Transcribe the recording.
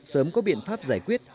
sớm có biện pháp giải quyết